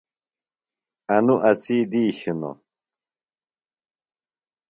انُوۡ اسی دِیش ہِنوۡ۔